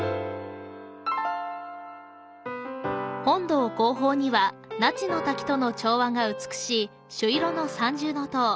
本堂後方には、那智の滝との調和が美しい朱色の三重の塔。